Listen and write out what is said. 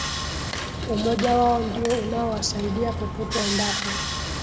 Umoja wao ndio unaowasaidia popote waendapo